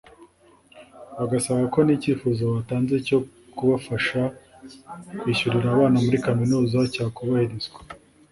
bagasaba ko n’icyifuzo batanze cyo kubafasha kwishyurira abana muri Kaminuza cyakubahirizwa